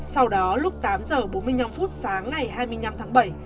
sau đó lúc tám h bốn mươi năm sáng ngày hai mươi năm tháng bảy